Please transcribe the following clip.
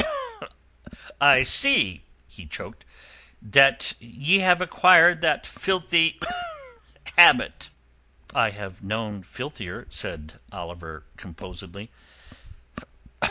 "I see," he choked, "that ye have acquired that filthy habit." "I have known filthier," said Sir Oliver composedly.